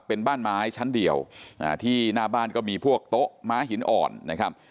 เป็นบ้านไม้ชั้นเดียวที่หน้าบ้านก็มีพวกโต๊ะม้าหินอ่อนนะครับ